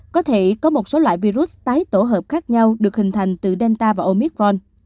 có thể có một số loại virus tái tổ hợp khác nhau được hình thành từ delta và omicron